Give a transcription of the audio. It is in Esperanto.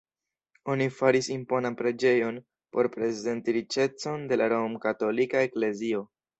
Oni faris imponan preĝejon por prezenti riĉecon de la romkatolika eklezio.